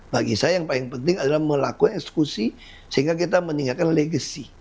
bagi saya yang paling penting adalah melakukan eksekusi sehingga kita meningkatkan legacy